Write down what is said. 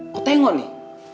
kau tengok nih